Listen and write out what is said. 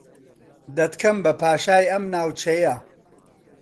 دەتکەم بە پاشای ئەم ناوچەیە